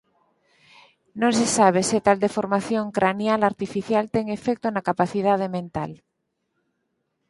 Non se sabe se tal deformación cranial artificial ten efecto na capacidade mental.